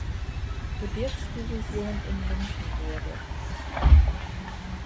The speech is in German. Gebirgsdivision in München wurde.